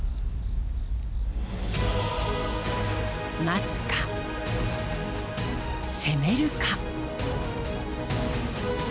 待つか攻めるか。